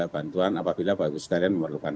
bantuan apabila bapak ibu sekalian memerlukan